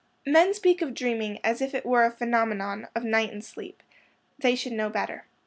Men speak of dreaming as if it were a phenomenon of night and sleep. They should know better.